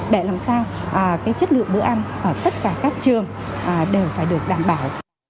để làm sao chất lượng bữa ăn ở tất cả các trường đều phải được đảm bảo